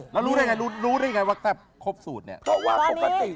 แล้วรู้ได้ยังไงว่าแซ่บครบสูตรเนี่ย